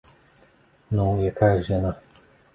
Ну, якая ж яна?